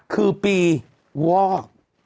คือปีวอก